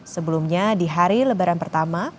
sebelumnya di hari lebaran pertama